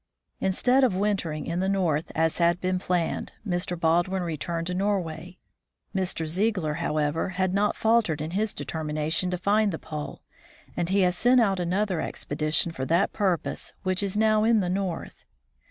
Instead of wintering in the North as had been planned, Mr. Baldwin returned to Norway. Mr. Ziegler, however, has not faltered in his determination to find the pole, and he has sent out another expedition for that purpose which is now in the North.